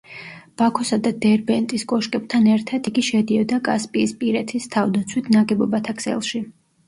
ბაქოსა და დერბენტის კოშკებთან ერთად იგი შედიოდა კასპიისპირეთის თავდაცვით ნაგებობათა ქსელში.